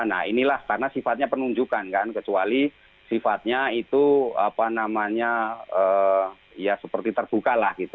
nah inilah karena sifatnya penunjukan kan kecuali sifatnya itu apa namanya ya seperti terbuka lah gitu